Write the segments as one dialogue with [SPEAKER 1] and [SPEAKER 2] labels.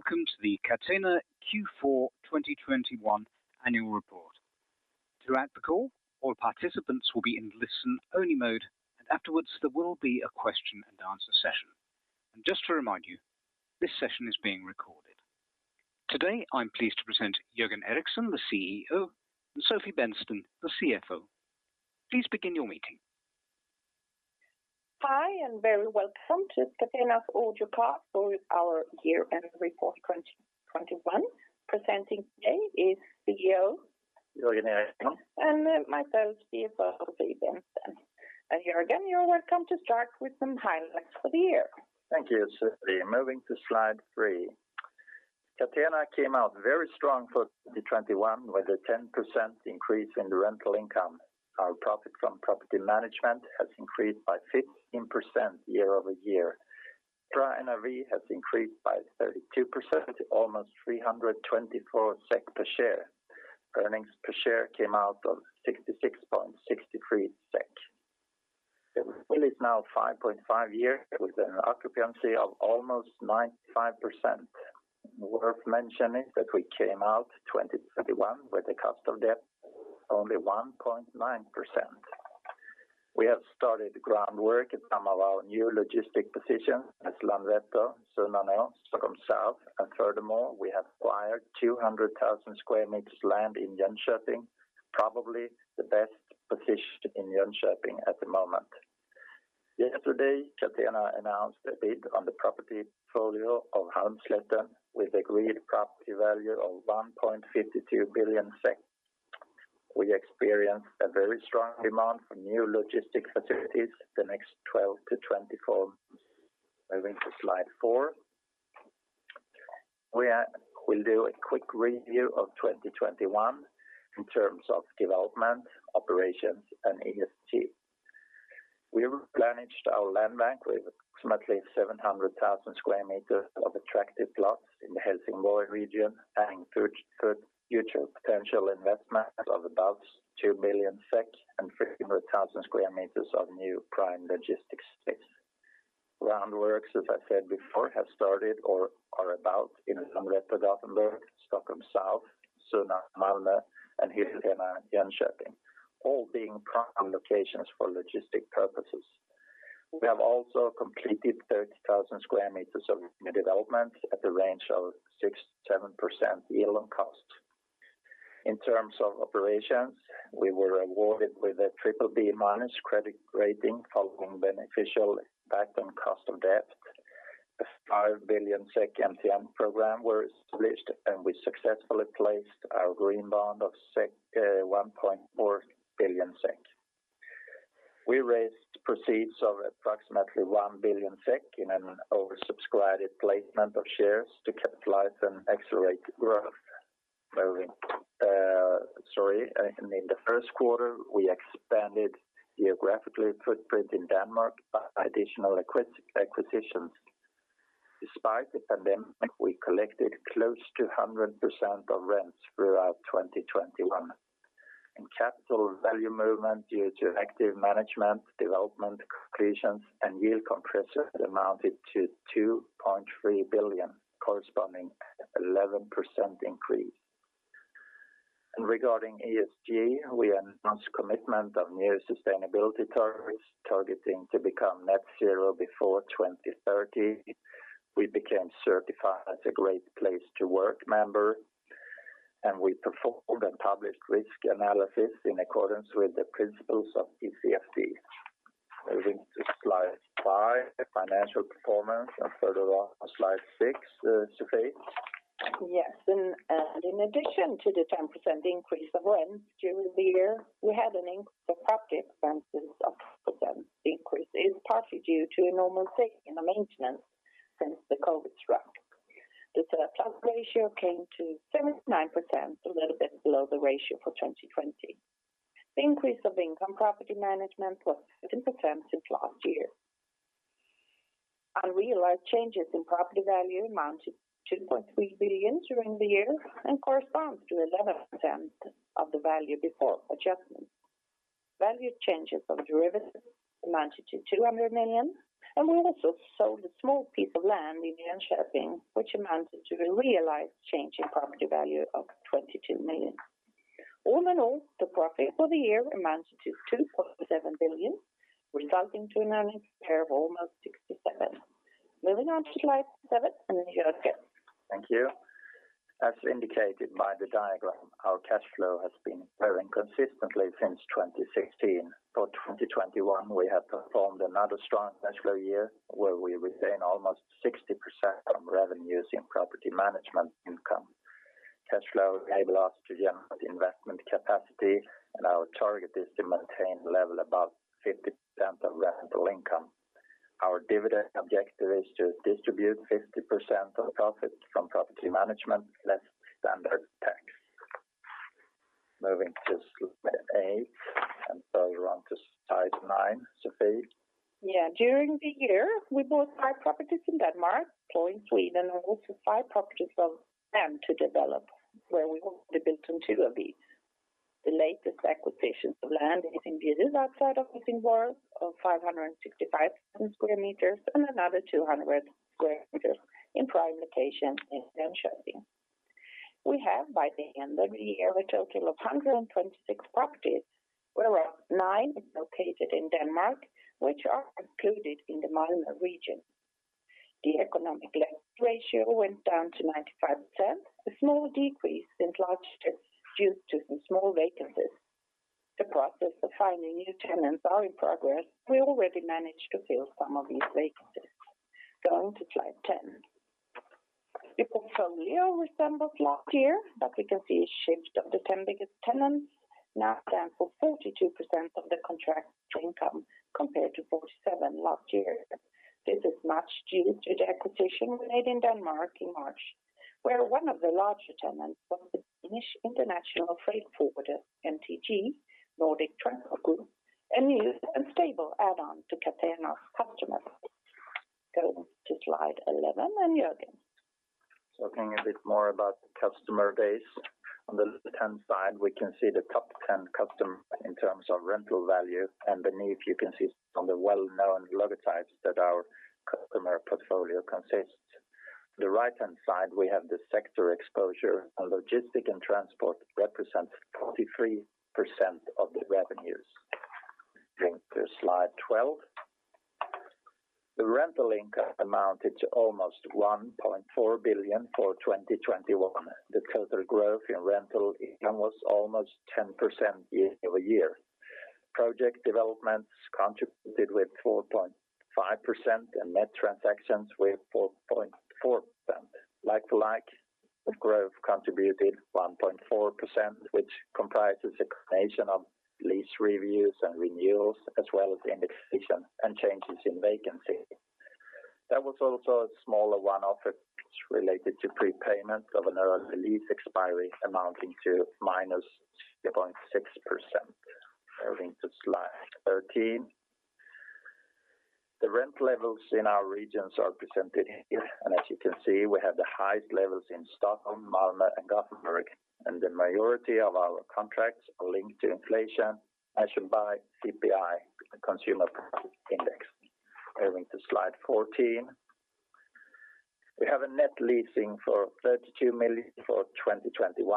[SPEAKER 1] Welcome to the Catena Q4 2021 annual report. Throughout the call, all participants will be in listen-only mode, and afterwards there will be a question-and-answer session. Just to remind you, this session is being recorded. Today, I'm pleased to present Jörgen Eriksson, the CEO, and Sofie Bennsten, the CFO. Please begin your meeting.
[SPEAKER 2] Hi, and very welcome to Catena's audio part for our year-end report 2021. Presenting today is CEO-
[SPEAKER 3] Jörgen Eriksson
[SPEAKER 2] Myself, CFO Sofie Bennsten. Here again, you're welcome to start with some highlights for the year.
[SPEAKER 3] Thank you, Sofie. Moving to slide three. Catena came out very strong for 2021 with a 10% increase in the rental income. Our profit from property management has increased by 15% year-over-year. NAV has increased by 32% to almost 324 SEK per share. Earnings per share came out of 66.63 SEK. The fleet is now five point five years with an occupancy of almost 95%. Worth mentioning that we came out 2021 with a cost of debt only 1.9%. We have started groundwork at some of our new logistics positions at Landvetter, Sunne, Stockholm South, and furthermore, we have acquired 200,000 sq m land in Jönköping, probably the best position in Jönköping at the moment. Yesterday, Catena announced a bid on the property portfolio of Halmslätten with agreed property value of 1.52 billion SEK. We experienced a very strong demand for new logistics facilities the next 12-24. Moving to slide four. We will do a quick review of 2021 in terms of development, operations, and ESG. We replenished our land bank with approximately 700,000 sq m of attractive lots in the Helsingborg region, adding future potential investment of about 2 million SEK and 1,500,000 sq m of new prime logistics space. Groundworks, as I said before, have started or are about in Landvetter, Gothenburg, Stockholm South, Sunne, Malmö, and Hyltena, Jönköping, all being prime locations for logistics purposes. We have also completed 30,000 sq m of new development at the range of 6%-7% yield on cost. In terms of operations, we were awarded with a BBB- credit rating following beneficial impact on cost of debt. The 5 billion SEK MTN program were established, and we successfully placed our green bond of 1.4 billion SEK. We raised proceeds of approximately 1 billion SEK in an over-subscribed placement of shares to capitalize and accelerate growth. In the first quarter, we expanded geographically footprint in Denmark by additional acquisitions. Despite the pandemic, we collected close to 100% of rents throughout 2021. In capital value movement due to active management, development, completions, and yield compression amounted to 2.3 billion, corresponding 11% increase. Regarding ESG, we announced commitment of new sustainability targets, targeting to become net zero before 2030. We became certified as a Great Place to Work member, and we performed and published risk analysis in accordance with the principles of TCFD. Moving to slide five, financial performance, and further on, slide six, Sofie.
[SPEAKER 2] Yes. In addition to the 10% increase of rent during the year, we had an increase of property expenses of percent increase is partly due to a normal take in the maintenance since the COVID struck. The turnout ratio came to 79%, a little bit below the ratio for 2020. The increase of income property management was 10% since last year. Unrealized changes in property value amounted to 2.3 billion during the year and corresponds to 11% of the value before adjustment. Value changes of derivatives amounted to 200 million, and we also sold a small piece of land in Jönköping, which amounted to a realized change in property value of 22 million. All in all, the profit for the year amounted to 2.7 billion, resulting to an earnings per of almost 67. Moving on to slide seven, and Jörgen.
[SPEAKER 3] Thank you. As indicated by the diagram, our cash flow has been growing consistently since 2016. For 2021, we have performed another strong cash flow year where we retain almost 60% from revenues in property management income. Cash flow enable us to generate investment capacity, and our target is to maintain the level above 50% of rental income. Our dividend objective is to distribute 50% of profit from property management, less standard tax. Moving to slide eight, and further on to slide nine, Sofie.
[SPEAKER 2] Yeah. During the year, we bought five properties in Denmark, two in Sweden, and also five properties of land to develop where we've already built on two of it. The latest acquisitions of land is in.
[SPEAKER 3] Talking a bit more about the customer base. On the left-hand side, we can see the top 10 customers in terms of rental value, and beneath, you can see some of the well-known logos that our customer portfolio consists. On the right-hand side, we have the sector exposure, and logistics and transport represents 23% of the revenues. Going to slide 12. The rental income amounted to almost 1.4 billion for 2021. The total growth in rental income was almost 10% year-over-year. Project developments contributed with 4.5% and net transactions with 4.4%. Like-for-like, the growth contributed 1.4%, which comprises a combination of lease reviews and renewals, as well as indexation and changes in vacancy. There was also a smaller one-off related to prepayment of an early lease expiry amounting to -0.6%. Moving to slide 13. The rent levels in our regions are presented here, and as you can see, we have the highest levels in Stockholm, Malmö, and Gothenburg, and the majority of our contracts are linked to inflation measured by CPI, the Consumer Price Index. Moving to slide 14. We have a net leasing for 32 million for 2021.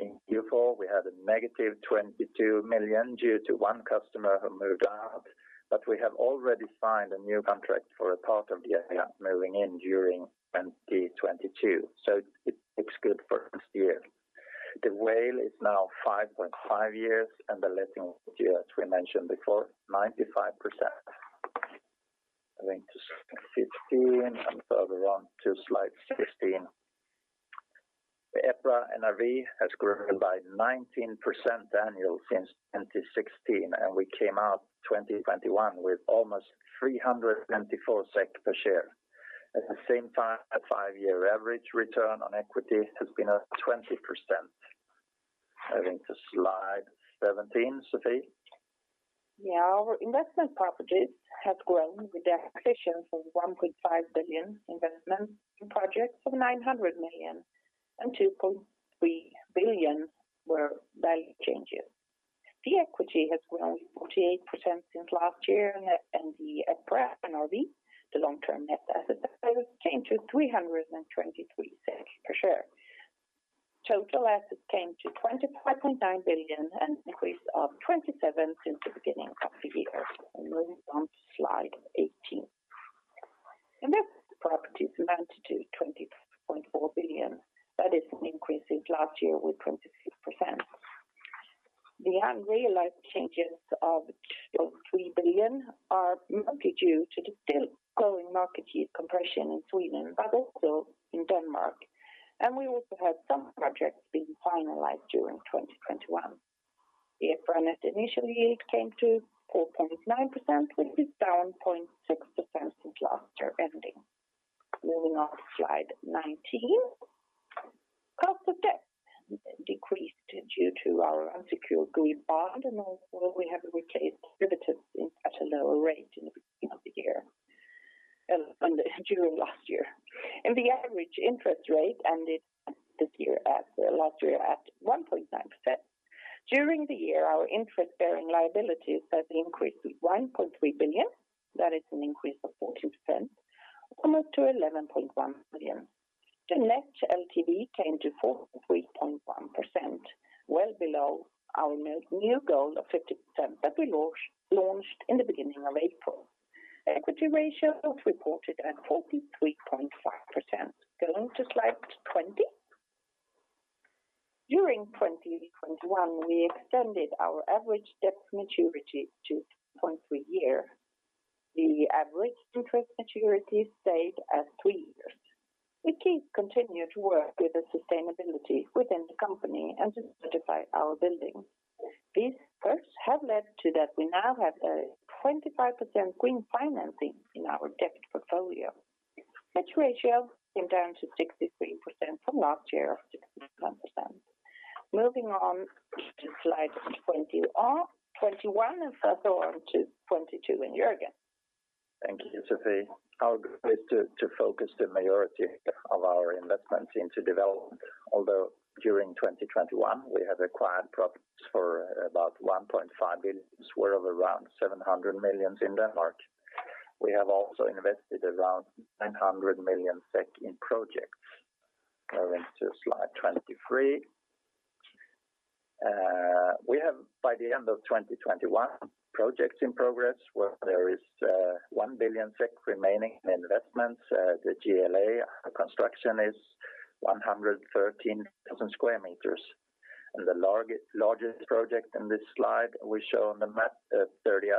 [SPEAKER 3] In Q4, we had a negative 22 million due to one customer who moved out, but we have already signed a new contract for a part of the area moving in during 2022, so it looks good for next year. The WALE is now five point five years and the letting year, as we mentioned before, 95%. Moving to 15 and further on to slide 15. The EPRA NAV has grown by 19% annually since 2016, and we came out 2021 with almost 324 SEK per share. At the same time, a five year average return on equity has been at 20%. Moving to slide 17, Sofie.
[SPEAKER 2] Yeah. Our investment properties have grown with the acquisition for 1.5 billion investment projects of 900 million and 2.3 billion were value changes. The equity has grown 48% since last year, and the EPRA NAV, the long-term net asset value, changed to 323 SEK per share. Total assets came to 25.9 billion, an increase of 27% since the beginning of the year. Moving on to slide 18. Investment properties amounted to 20.4 billion. That is an increase since last year with 26%. The unrealized changes of 3 billion are mostly due to the still growing market yield compression in Sweden, but also in Denmark. We also had some projects being finalized during 2021. The fair net initial yield came to 4.9%, which is down 0.6% since last year-ending. Moving on to slide 19. Cost of debt decreased due to our unsecured green bond, and overall, we have replaced maturities at a lower rate in the year during last year. The average interest rate ended last year at 1.9%. During the year, our interest-bearing liabilities has increased by 1.3 billion. That is an increase of 14%, up to 11.1 billion. The net LTV came to 43.1%, well below our new goal of 50% that we launched in the beginning of April. Equity ratio is reported at 43.5%. Going to slide 20. During 2021, we extended our average debt maturity to two point three years. The average debt maturity stayed at three years. We keep continuing to work with the sustainability within the company and to certify our building. These efforts have led to that we now have a 25% green financing in our debt portfolio. Debt ratio came down to 63% from last year of 61%. Moving on to slide 21 and further on to 22. Jörgen?
[SPEAKER 3] Thank you, Sofie. Our goal is to focus the majority of our investments into development. Although during 2021, we have acquired properties for about 1.5 billion, as well as around 700 million in Denmark. We have also invested around 900 million SEK in projects. Going to slide 23. We have, by the end of 2021, projects in progress where there is 1 billion SEK remaining in investments. The GLA construction is 113,000 sq m. The largest project in this slide we show on the map, 38,000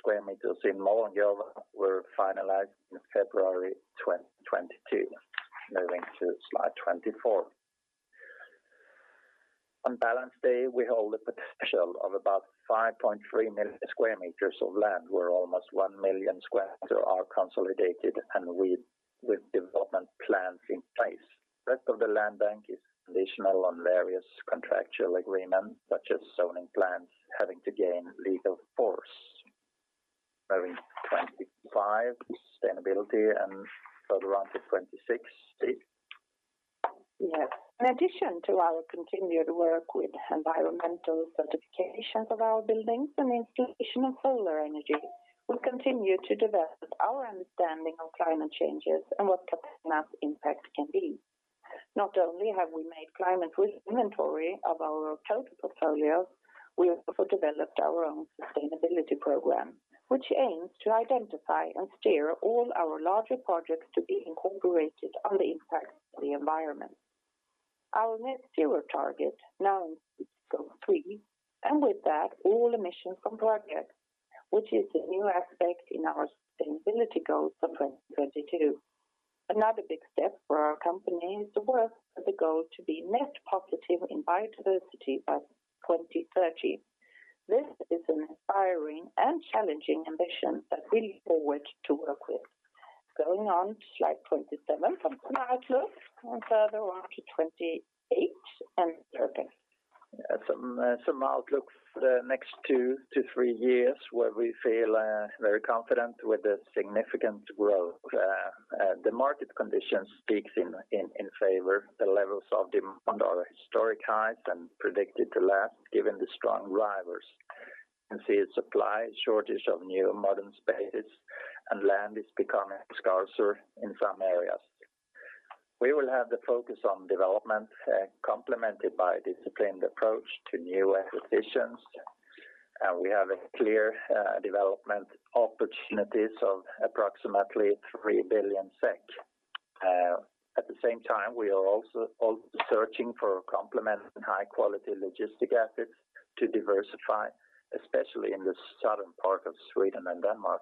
[SPEAKER 3] sq m in Morgongåva were finalized in February 2022. Moving to slide 24. On balance day, we hold the potential of about 5.3 million sq m of land, where almost 1 million sq m are consolidated and with development plans in place. The rest of the land bank is conditional on various contractual agreements, such as zoning plans having to gain legal force. Moving to 25, sustainability, and further on to 26.
[SPEAKER 2] Yes. In addition to our continued work with environmental certifications of our buildings and installation of solar energy, we continue to develop our understanding of climate changes and what potential impact can be. Not only have we made climate risk inventory of our total portfolio, we also developed our own sustainability program, which aims to identify and steer all our larger projects to be incorporated on the impact of the environment. Our net zero target now includes Scope 3, and with that, all emissions from projects, which is a new aspect in our sustainability goals for 2022. Another big step for our company is the work for the goal to be net positive in biodiversity by 2030. This is an inspiring and challenging ambition that we look forward to work with. Going on to slide 27 from outlook and further on to 28 and 30.
[SPEAKER 3] Yeah. Some outlook for the next two to three years where we feel very confident with the significant growth. The market conditions speak in favor. The levels of demand are at historic highs and predicted to last given the strong drivers. You can see a supply shortage of new modern spaces and land is becoming scarcer in some areas. We will have the focus on development complemented by a disciplined approach to new acquisitions. We have a clear development opportunities of approximately 3 billion SEK. At the same time, we are also searching for complementing high-quality logistics assets to diversify, especially in the southern part of Sweden and Denmark.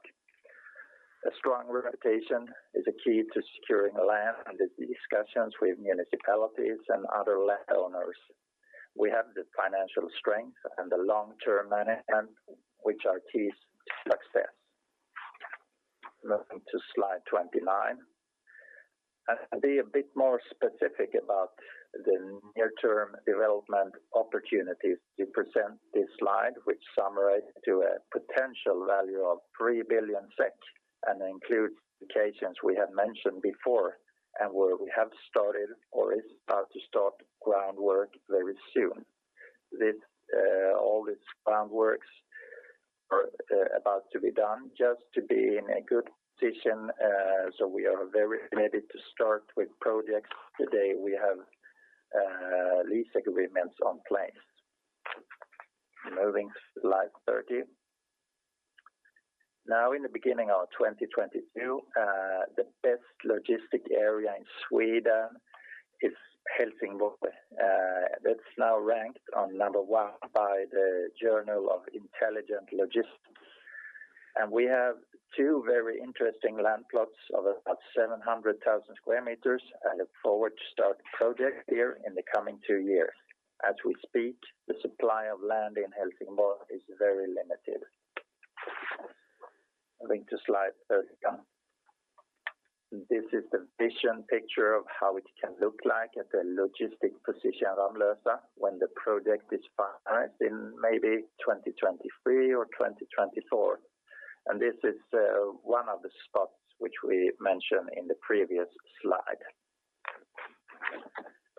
[SPEAKER 3] A strong reputation is a key to securing land and the discussions with municipalities and other land owners. We have the financial strength and the long-term management, which are keys to success. Moving to slide 29. I'll be a bit more specific about the near-term development opportunities. We present this slide which summarize to a potential value of 3 billion SEK and includes the locations we have mentioned before and where we have started or is about to start groundwork very soon. This all this groundworks are about to be done just to be in a good position so we are very ready to start with projects the day we have lease agreements in place. Moving to slide 30. Now in the beginning of 2022 the best logistics area in Sweden is Helsingborg. That's now ranked number one by Intelligent Logistik. We have two very interesting land plots of about 700,000 sq m and look forward to start project there in the coming two years. As we speak, the supply of land in Helsingborg is very limited. Moving to slide 31. This is the vision picture of how it can look like at the logistic position Ramlösa when the project is finalized in maybe 2023 or 2024. This is one of the spots which we mentioned in the previous slide.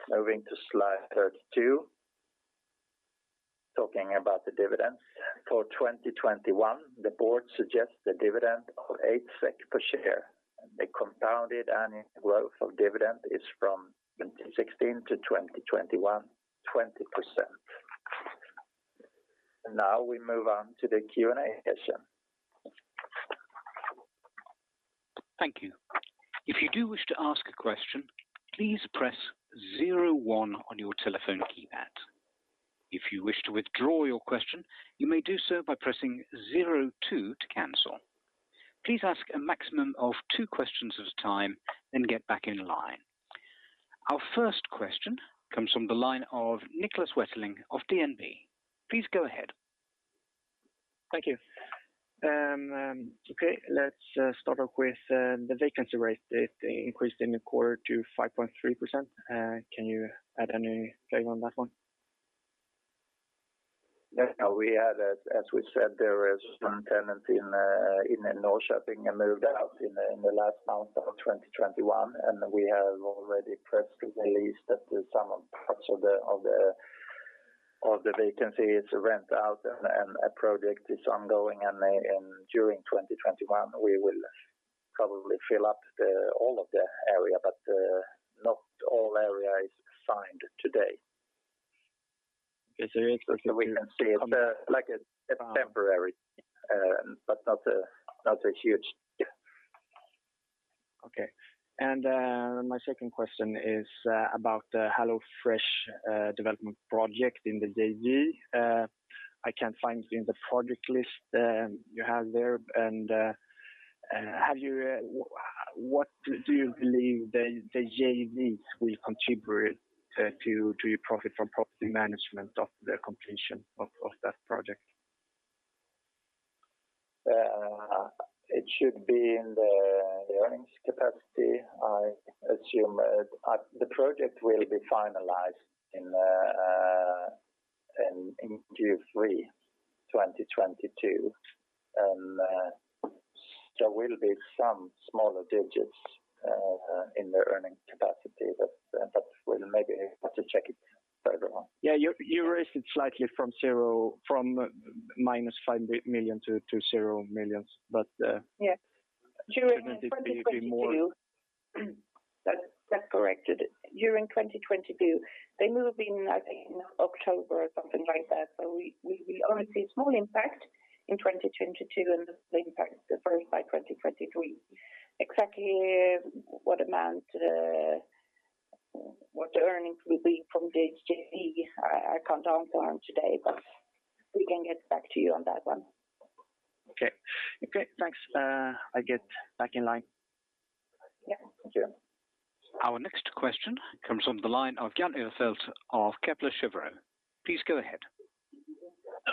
[SPEAKER 3] Moving to slide 32. Talking about the dividends. For 2021, the board suggests the dividend of 8 SEK per share. The compounded annual growth of dividend is from 2016 to 2021, 20%. Now we move on to the Q&A session.
[SPEAKER 1] Our first question comes from the line of Niklas Wetterling of DNB. Please go ahead.
[SPEAKER 4] Thank you. Okay, let's start off with the vacancy rate. It increased in the quarter to 5.3%. Can you add any flavor on that one?
[SPEAKER 3] No, we had, as we said, there is some tenant in Norrköping and moved out in the last month of 2021, and we have already re-let the lease that some parts of the vacancy is rent out and a project is ongoing. Then during 2022, we will probably fill up all of the area, but not all area is signed today.
[SPEAKER 4] Is there any specific-
[SPEAKER 3] We can see it like a temporary, but not a huge. Yeah.
[SPEAKER 4] Okay. My second question is about the HelloFresh development project in the JV. I can't find it in the project list you have there. What do you believe the JVs will contribute to your profit from property management of the completion of that project?
[SPEAKER 3] It should be in the earnings capacity. I assume the project will be finalized in Q3 2022. There will be some smaller digits in the earning capacity, but we'll maybe have to check it further on.
[SPEAKER 4] Yeah. You raised it slightly from -5 million to 0 million.
[SPEAKER 2] Yes.
[SPEAKER 3] It will be more-
[SPEAKER 2] That's corrected. During 2022, they move in, I think October or something like that. We only see a small impact in 2022, and the impact is first by 2023. Exactly what amount, what the earnings will be from the JV, I can't answer today, but we can get back to you on that one.
[SPEAKER 4] Okay. Okay, thanks. I get back in line.
[SPEAKER 2] Yeah. Thank you.
[SPEAKER 1] Our next question comes from the line of Jan Ihrfelt of Kepler Cheuvreux. Please go ahead.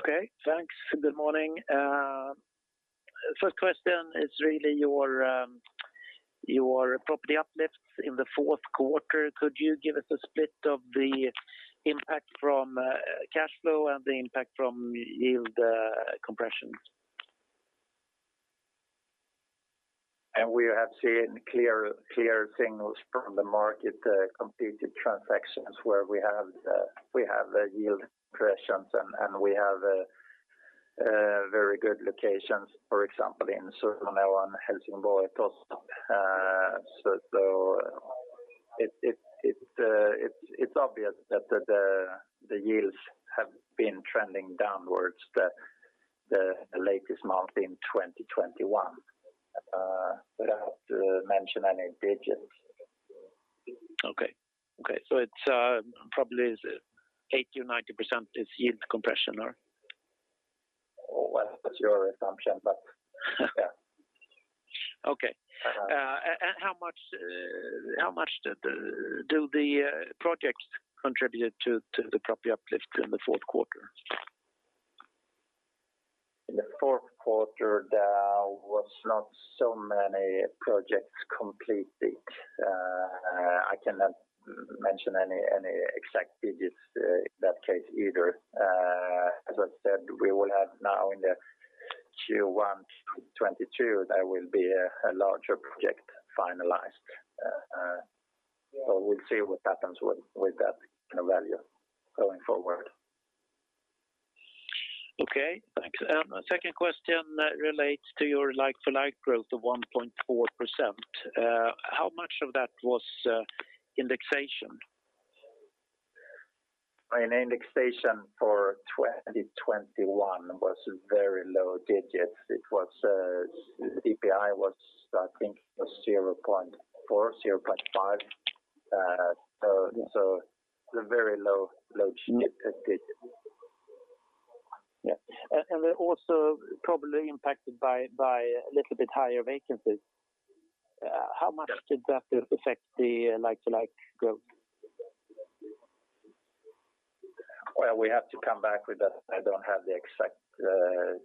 [SPEAKER 5] Okay. Thanks. Good morning. First question is really your property uplifts in the fourth quarter. Could you give us a split of the impact from cash flow and the impact from yield compression?
[SPEAKER 3] We have seen clear signals from the market, completed transactions where we have very good locations, for example, in Solna and Helsingborg also. It's obvious that the yields have been trending downwards the latest month in 2021, without mentioning any digits.
[SPEAKER 5] Okay. It's probably 80%-90% is yield compression or?
[SPEAKER 3] Well, that's your assumption, but yeah.
[SPEAKER 5] Okay.
[SPEAKER 3] Uh-huh.
[SPEAKER 5] How much did the project contribute to the property uplift in the fourth quarter?
[SPEAKER 3] In the fourth quarter, there was not so many projects completed. I cannot mention any exact digits in that case either. As I said, we will have now in the Q1 2022, there will be a larger project finalized. We'll see what happens with that in a value going forward.
[SPEAKER 5] Okay, thanks. Second question relates to your like-for-like growth of 1.4%. How much of that was indexation?
[SPEAKER 3] An indexation for 2021 was very low digits. CPI was, I think, 0.4, 0.5. Very low digits.
[SPEAKER 5] Yeah, also probably impacted by a little bit higher vacancies.
[SPEAKER 3] Yeah.
[SPEAKER 5] How much did that affect the like-for-like growth?
[SPEAKER 3] Well, we have to come back with that. I don't have the exact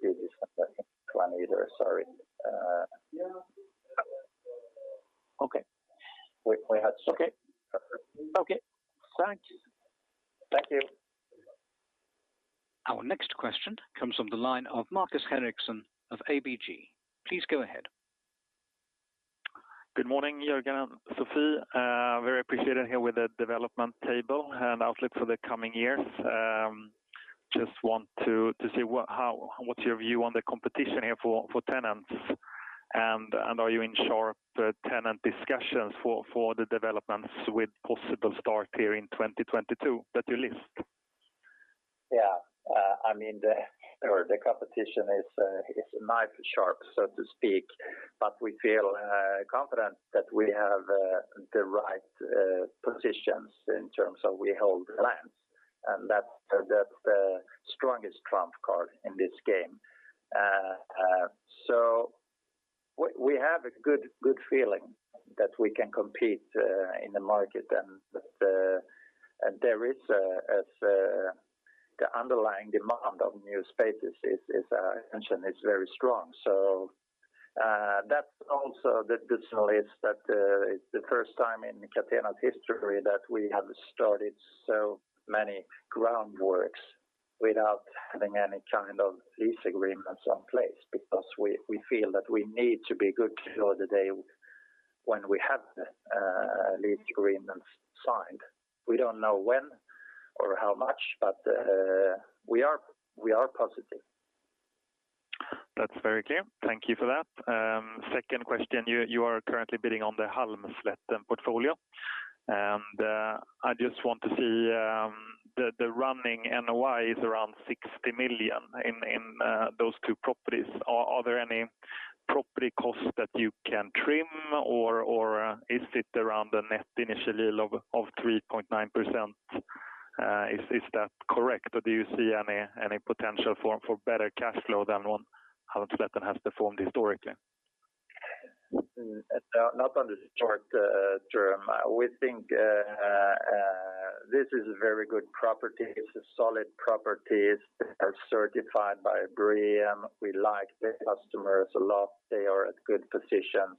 [SPEAKER 3] digits for that one either. Sorry.
[SPEAKER 5] Okay.
[SPEAKER 3] We had.
[SPEAKER 5] Okay. Thanks.
[SPEAKER 3] Thank you.
[SPEAKER 1] Our next question comes from the line of Markus Henriksson of ABG. Please go ahead.
[SPEAKER 6] Good morning, Jörgen and Sofie. Very appreciated here with the development table and outlook for the coming years. Just want to see what's your view on the competition here for tenants? Are you in sharp tenant discussions for the developments with possible start here in 2022 that you list?
[SPEAKER 3] Yeah. I mean, the competition is knife sharp, so to speak, but we feel confident that we have the right positions in terms of we hold lands, and that's the strongest trump card in this game. We have a good feeling that we can compete in the market and that, as mentioned, the underlying demand for new spaces is very strong. That's also the good news that it's the first time in Catena's history that we have started so many groundworks without having any kind of lease agreements in place because we feel that we need to be good till the day when we have the lease agreements signed. We don't know when or how much, but we are positive.
[SPEAKER 6] That's very clear. Thank you for that. Second question. You are currently bidding on the Halmslätten portfolio, and I just want to see the running NOI is around 60 million in those two properties. Are there any property costs that you can trim? Or is it around the net initial yield of 3.9%? Is that correct? Or do you see any potential for better cash flow than what Halmslätten has performed historically?
[SPEAKER 3] Not on the short term. We think this is a very good property. It's a solid property. They are certified by BREEAM. We like the customers a lot. They are at good positions.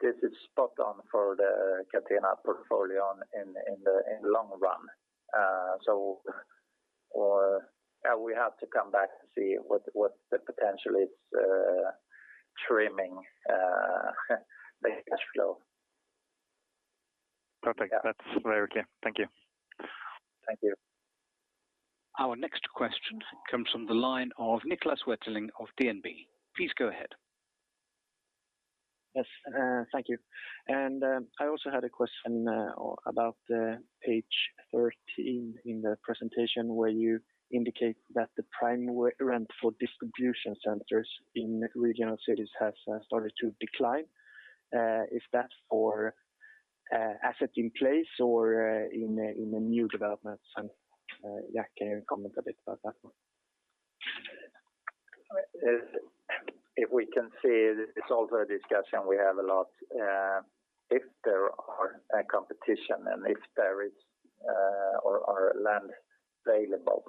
[SPEAKER 3] This is spot on for the Catena portfolio in the long run. Yeah, we have to come back to see what the potential is, trimming the cash flow.
[SPEAKER 6] Perfect.
[SPEAKER 3] Yeah.
[SPEAKER 6] That's very clear. Thank you.
[SPEAKER 3] Thank you.
[SPEAKER 1] Our next question comes from the line of Niklas Wetterling of DNB. Please go ahead.
[SPEAKER 4] Yes, thank you. I also had a question about the page 13 in the presentation where you indicate that the prime re-rent for distribution centers in regional cities has started to decline. Is that for asset in place or in a new development? Jack, can you comment a bit about that one?
[SPEAKER 3] If we can see, it's also a discussion we have a lot. If there are a competition and if there is, or are land available,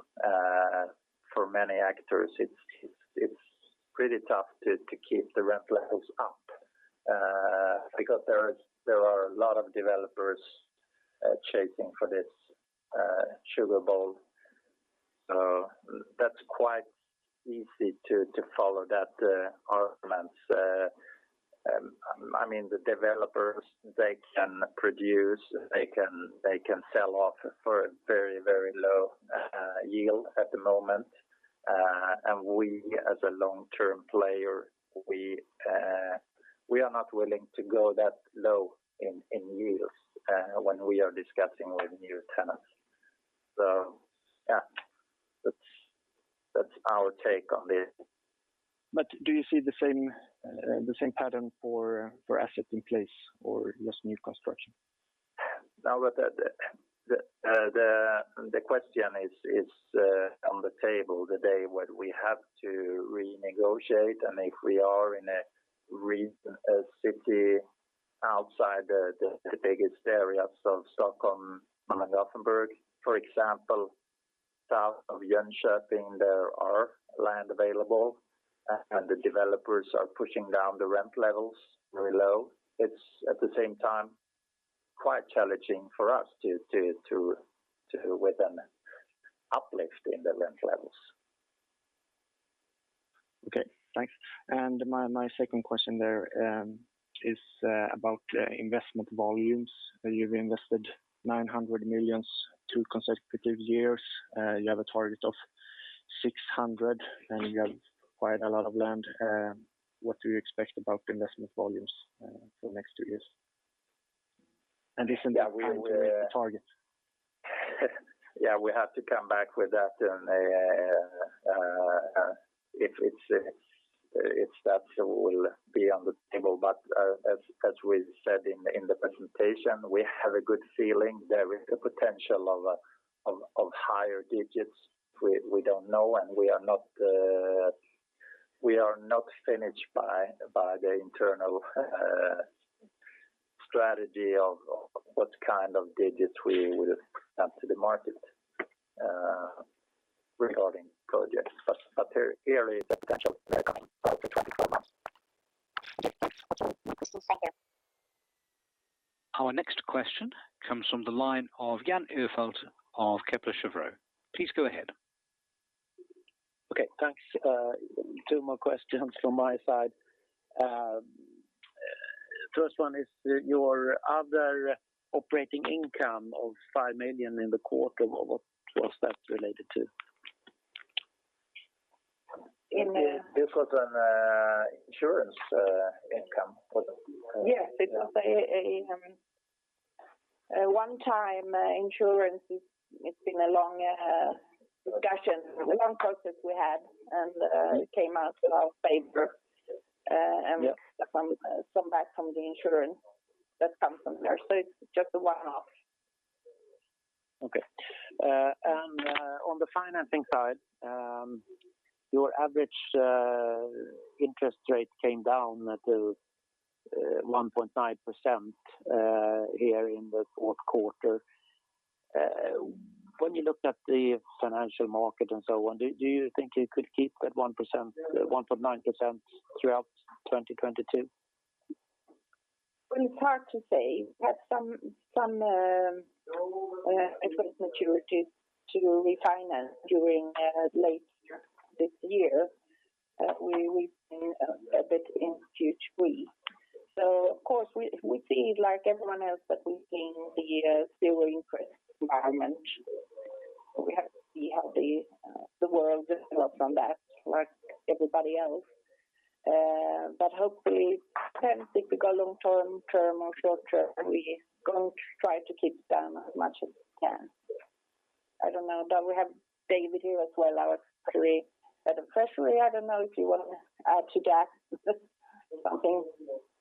[SPEAKER 3] for many actors, it's pretty tough to keep the rent levels up, because there are a lot of developers chasing for this sugar bowl. That's quite easy to follow that argument. I mean, the developers, they can produce, they can sell off for a very low yield at the moment. We as a long-term player, we are not willing to go that low in yields when we are discussing with new tenants. Yeah, that's our take on this.
[SPEAKER 4] Do you see the same pattern for assets in place or just new construction?
[SPEAKER 3] Now that the question is on the table, the day when we have to renegotiate and if we are in a city outside the biggest areas of Stockholm and Gothenburg, for example, south of Jönköping, there are land available, and the developers are pushing down the rent levels very low. It's at the same time quite challenging for us to with an uplift in the rent levels.
[SPEAKER 4] Okay, thanks. My second question there is about investment volumes. You've invested 900 million two consecutive years. You have a target of 600 million, and you have quite a lot of land. What do you expect about investment volumes for the next two years? Is it- Yeah, we on plan to meet the target?
[SPEAKER 3] Yeah, we have to come back with that and if that will be on the table. As we said in the presentation, we have a good feeling there is a potential of higher digits. We don't know, and we are not finished by the internal strategy of what kind of digits we would come to the market regarding projects. There clearly is a potential there coming for 24 months.
[SPEAKER 4] Yes, thanks.
[SPEAKER 3] Okay.
[SPEAKER 5] Thank you.
[SPEAKER 1] Our next question comes from the line of Jan Ihrfelt of Kepler Cheuvreux. Please go ahead.
[SPEAKER 5] Okay, thanks. Two more questions from my side. First one is your other operating income of 5 million in the quarter, what was that related to?
[SPEAKER 3] In, uh- This was an insurance income, wasn't it?
[SPEAKER 2] Yeah. Yeah. It was a one-time insurance. It's been a long discussion, a long process we had, and Right it came out in our favor. Yeah Some back from the insurance that comes from there. It's just a one-off.
[SPEAKER 5] Okay. On the financing side, your average interest rate came down to 1.9% here in the fourth quarter. When you looked at the financial market and so on, do you think you could keep that 1%, 1.9% throughout 2022?
[SPEAKER 2] Well, it's hard to say. We have some equipment maturities to refinance during late this year. We've been a bit in a huge week. Of course we see like everyone else that we've seen the zero-interest rate environment. We have to see how the world develops on that like everybody else. But hopefully, if we go long-term or short-term, we going to try to keep it down as much as we can. I don't know. Don, we have David here as well. I would agree that especially, I don't know if you want to add to Jack something.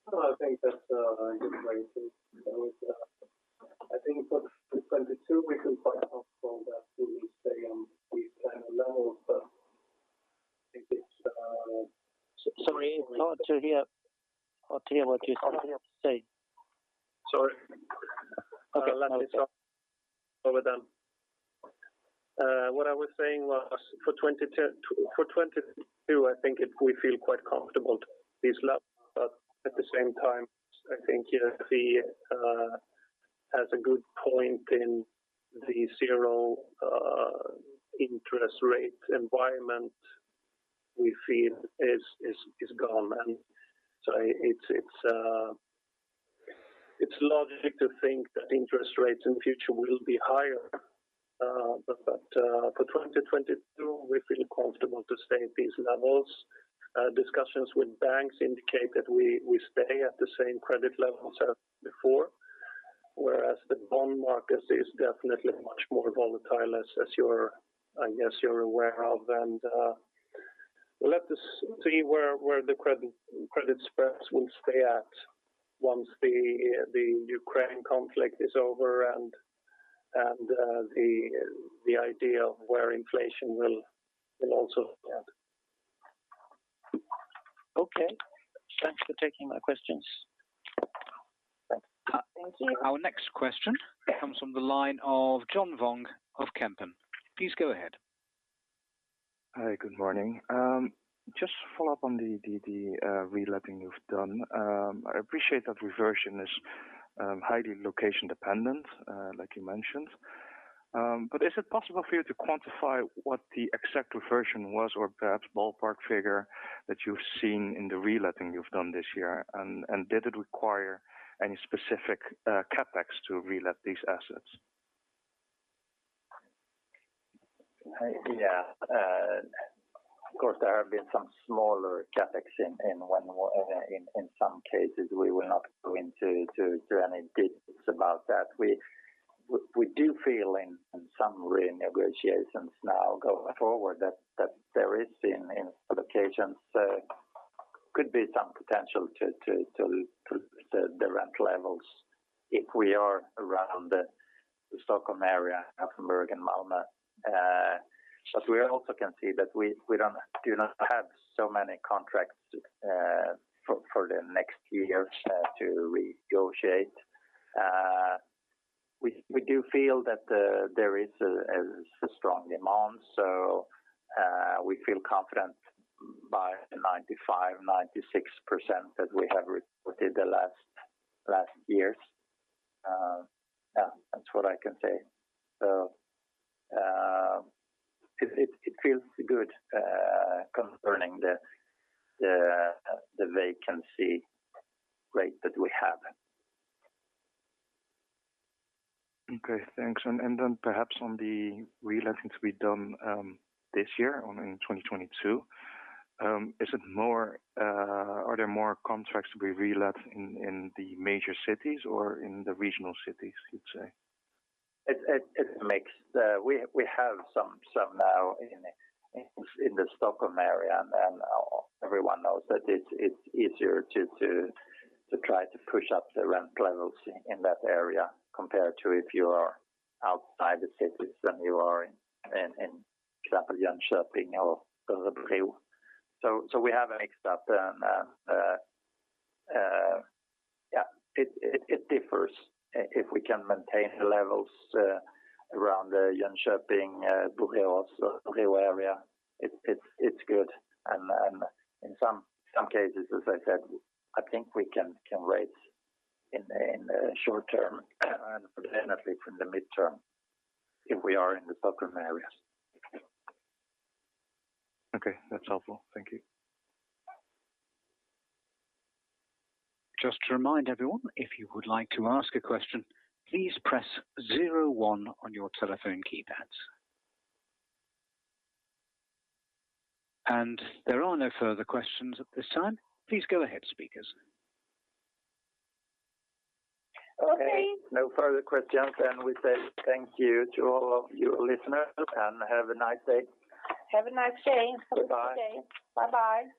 [SPEAKER 3] No, I think that's a good way to put it. I think for 2022 we feel quite comfortable that we stay on these kind of levels, but I think it's.
[SPEAKER 5] Sorry. It's hard to hear what you say.
[SPEAKER 3] Sorry.
[SPEAKER 5] Okay.
[SPEAKER 3] Overdone. What I was saying was for 2022, I think we feel quite comfortable at these levels. At the same time, I think, you know, he has a good point in the zero interest rate environment we feel is gone. It's logical to think that interest rates in future will be higher. For 2022 we feel comfortable to stay at these levels. Discussions with banks indicate that we stay at the same credit levels as before, whereas the bond market is definitely much more volatile as you're, I guess, aware of. Let us see where the credit spreads will stay at once the Ukraine conflict is over and the idea of whether inflation will also end.
[SPEAKER 5] Okay. Thanks for taking my questions.
[SPEAKER 3] Thank you.
[SPEAKER 1] Our next question comes from the line of John Vuong of Kempen. Please go ahead.
[SPEAKER 7] Hi, good morning. Just follow up on the reletting you've done. I appreciate that reversion is highly location dependent, like you mentioned. But is it possible for you to quantify what the exact reversion was or perhaps ballpark figure that you've seen in the reletting you've done this year? Did it require any specific CapEx to relet these assets?
[SPEAKER 3] Of course, there have been some smaller CapEx in some cases we will not go into any details about that. We do feel in some renegotiations now going forward that there is in locations could be some potential to the rent levels if we are around the Stockholm area, Gothenburg and Malmö. We also can see that we do not have so many contracts for the next few years to renegotiate. We do feel that there is a strong demand, we feel confident by 95%-96% that we have reported the last years. That's what I can say. It feels good concerning the vacancy rate that we have.
[SPEAKER 7] Okay, thanks. Perhaps on the reletting to be done this year or in 2022, are there more contracts to be relet in the major cities or in the regional cities you'd say?
[SPEAKER 3] We have some now in the Stockholm area, and then everyone knows that it's easier to try to push up the rent levels in that area compared to if you are outside the cities than if you are in for example Jönköping or Borås. We have a mix. It differs if we can maintain the levels around Jönköping, Borås area. It's good. In some cases, as I said, I think we can raise in the short-term and definitely from the mid-term if we are in the Stockholm areas.
[SPEAKER 7] Okay. That's helpful. Thank you.
[SPEAKER 1] Just to remind everyone, if you would like to ask a question, please press zero one on your telephone keypads. There are no further questions at this time. Please go ahead, speakers.
[SPEAKER 2] Okay.
[SPEAKER 3] No further questions. We say thank you to all of you listeners and have a nice day.
[SPEAKER 2] Have a nice day.
[SPEAKER 3] Goodbye.
[SPEAKER 2] Bye-bye.